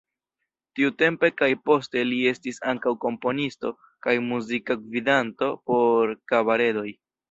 Tiutempe kaj poste li estis ankaŭ komponisto kaj muzika gvidanto por kabaredoj.